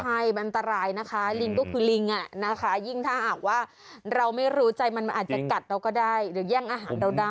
ใช่มันอันตรายนะคะลิงก็คือลิงอ่ะนะคะยิ่งถ้าหากว่าเราไม่รู้ใจมันมันอาจจะกัดเราก็ได้หรือแย่งอาหารเราได้